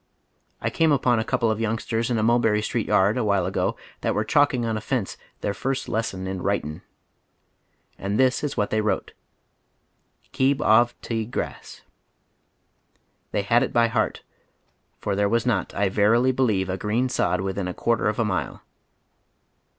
I came upon a couple of youngsters in a Hulherry Street yard a while ago that were chalking on the fence their first lesson in "writin'." And this is what they wrote: "Keeb of te Grass." They had it by heart, for there was not, I verily believe, a green sod within a quaiter of a mile.